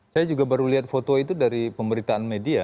saya juga baru lihat foto itu dari pemberitaan media